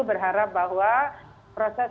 berharap bahwa proses